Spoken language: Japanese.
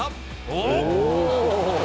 おっ。